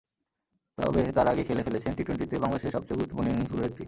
তবে তার আগে খেলে ফেলেছেন টি-টোয়েন্টিতে বাংলাদেশের সবচেয়ে গুরুত্বপূর্ণ ইনিংসগুলোর একটি।